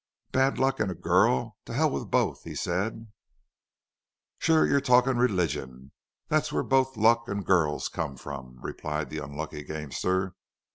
"Bad luck and a girl?... To hell with both!" he said. "Shore you're talkin' religion. Thet's where both luck an' gurls come from," replied the unlucky gamester.